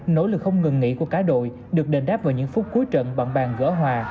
nỗ lực không ngừng nghỉ của cả đội được đền đáp vào những phút cuối trận bọn gỡ hòa